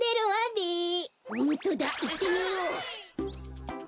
ほんとだいってみよう！